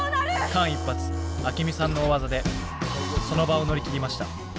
間一髪アケミさんの大技でその場を乗り切りました。